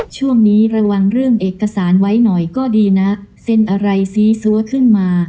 ช่วงนี้ระวังเรื่องเอกสารไว้หน่อยก็ดีนะเซ็นอะไรซีซัวขึ้นมา